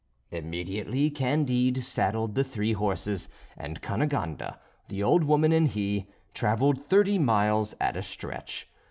Immediately Candide saddled the three horses, and Cunegonde, the old woman and he, travelled thirty miles at a stretch.